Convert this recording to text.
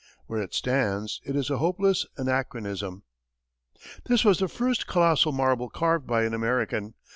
Where it stands, it is a hopeless anachronism. This was the first colossal marble carved by an American.